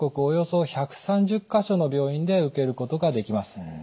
およそ１３０か所の病院で受けることができます。